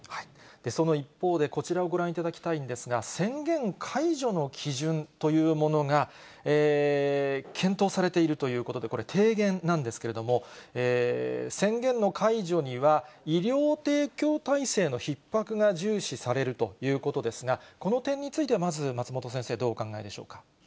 その一方で、こちらをご覧いただきたいんですが、宣言解除の基準というものが検討されているということで、これ、提言なんですけれども、宣言の解除には、医療提供体制のひっ迫が重視されるということですが、この点についてまず、松本先生、どうお考えでしょうか。